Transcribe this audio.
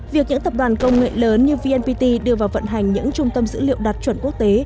việc những tập đoàn công nghệ lớn như vnpt đưa vào vận hành những trung tâm dữ liệu đạt chuẩn quốc tế